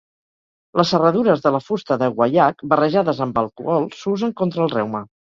Les serradures de la fusta de guaiac, barrejades amb alcohol s'usen contra el reuma.